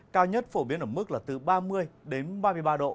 cao nhất phổ biến ở mức là từ ba mươi đến ba mươi ba độ